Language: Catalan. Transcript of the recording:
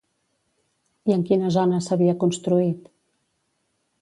I en quina zona s'havia construït?